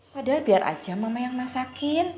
padahal biar aja mama yang masakin